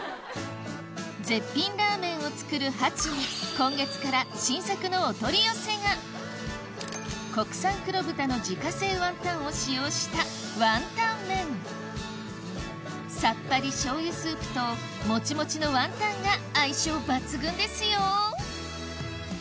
絶品ラーメンを作るＨＡＣＨＩに今月から新作のお取り寄せが国産黒豚の自家製ワンタンを使用したワンタン麺さっぱり醤油スープともちもちのワンタンが相性抜群ですよ